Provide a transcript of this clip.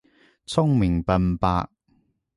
聰明笨伯